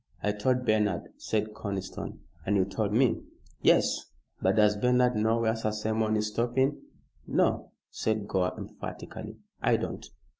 "I told Bernard," said Conniston, "and you told me." "Yes. But does Bernard know where Sir Simon is stopping?" "No," said Gore, emphatically, "I don't."